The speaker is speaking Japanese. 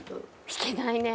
「弾けないね」